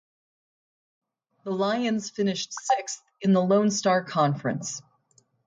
The Lions finished sixth in the Lone Star Conference.